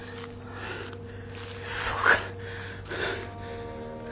そうか。